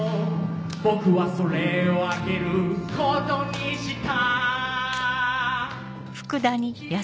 僕はそれをあげる事にした